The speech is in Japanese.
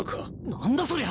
何だそりゃ。